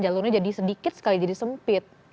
jalurnya jadi sedikit sekali jadi sempit